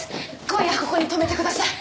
今夜ここに泊めてください。